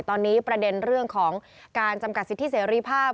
ตอนนี้ประเด็นเรื่องของการจำกัดสิทธิเสรีภาพ